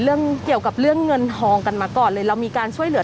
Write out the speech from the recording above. เรื่องเกี่ยวกับเรื่องเงินทองกันมาก่อนเลยเรามีการช่วยเหลือ